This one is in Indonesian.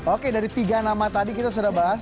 oke dari tiga nama tadi kita sudah bahas